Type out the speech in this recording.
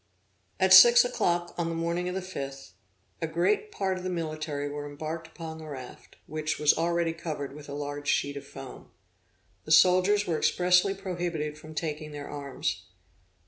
At six o'clock on the morning of the 5th, a great part of the military were embarked upon the raft, which was already covered with a large sheet of foam. The soldiers were expressly prohibited from taking their arms.